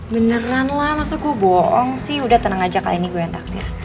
beneran lah masa gue bohong sih udah tenang aja kali ini gue yang traktir